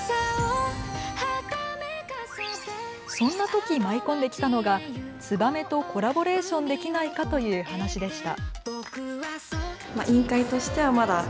そんな時舞い込んできたのが「ツバメ」とコラボレーションできないかという話でした。